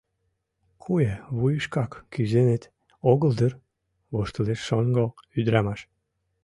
Куэ вуйышкак кӱзынет огыл дыр? — воштылеш шоҥго ӱдрамаш.